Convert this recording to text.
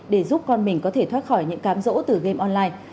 để giúp con mình có thể thoát khỏi những cám rỗ từ game online